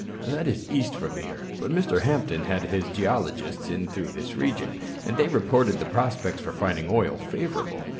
That is east from here. But Mr. Hampton had his geologists in through this region, and they reported the prospects for finding oil favorable.